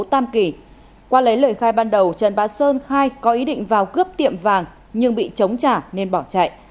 tam kỳ qua lấy lời khai ban đầu trần bá sơn khai có ý định vào cướp tiệm vàng nhưng bị chống trả nên bỏ chạy